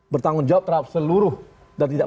bertanggung jawab terhadap seluruh dan tidak